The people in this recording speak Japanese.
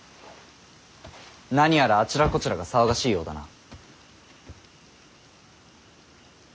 何やらあちらこちらが騒がしいようだな。